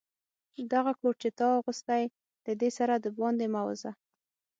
دغه کوټ چي تا اغوستی، له دې سره دباندي مه وزه.